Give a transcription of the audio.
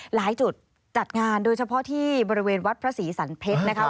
หลายจุดจัดงานโดยเฉพาะที่บริเวณวัดพระศรีสันเพชรนะครับ